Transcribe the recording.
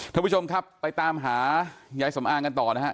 ทุกผู้ชมครับไปตามหาแย้สำอางกันต่อนะครับ